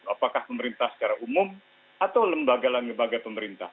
apakah pemerintah secara umum atau lembaga lembaga pemerintah